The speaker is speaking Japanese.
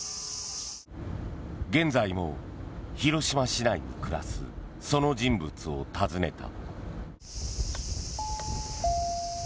現在も広島市内に暮らすその人物を訪ねた。